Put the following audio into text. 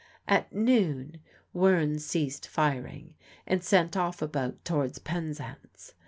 At noon Wearne ceased firing, and sent off a boat towards Penzance.